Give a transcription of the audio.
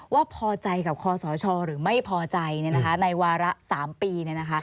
ว่าพอใจกับคอสชหรือไม่พอใจในวาระ๓ปี